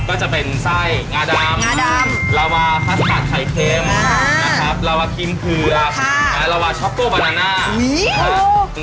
ก็จะเป็นไส้งาดำงาดำลาวาไข่เค็มค่ะนะครับลาวาครีมเผือค่ะแล้วลาวาช็อคโก้บานาน่ะอุ้ย